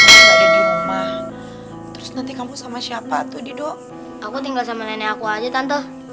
ada di rumah terus nanti kamu sama siapa tuh dido aku tinggal sama nenek aku aja tante